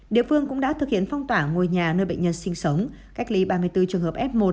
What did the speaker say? địa phương cũng đã thực hiện phong tỏa ngôi nhà nơi bệnh nhân sinh sống cách ly ba mươi bốn trường hợp f một